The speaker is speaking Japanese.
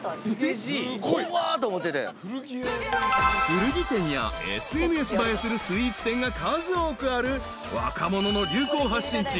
［古着店やＳＮＳ映えするスイーツ店が数多くある若者の流行発信地